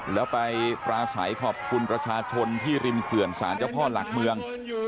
แล้วไปปราศัยขอบคุณประชาชนที่ริมเขื่อนศาลเจ้าพ่อหลักเมือง